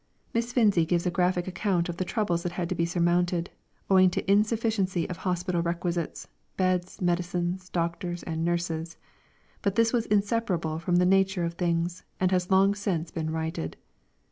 Miss Finzi gives a graphic account of the troubles that had to be surmounted, owing to insufficiency of hospital requisites, beds, medicines, doctors and nurses; but this was inseparable from the nature of things, and has long since been righted.